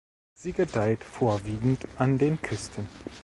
Sie gedeiht vorwiegend an den Küsten.